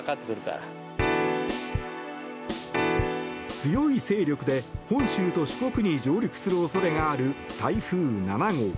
強い勢力で本州と四国に上陸する恐れがある台風７号。